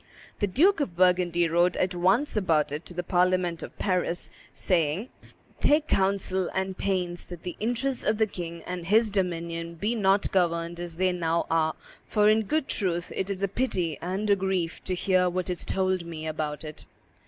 The Duke of Burgundy wrote at once about it to the parliament of Paris, saying, "Take counsel and pains that the interests of the king and his dominion be not governed as they now are, for, in good truth, it is a pity and a grief to hear what is told me about it."